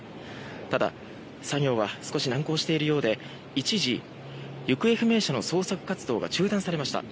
ただ、作業は少し難航しているようで一時、行方不明者の捜索活動が中断されました。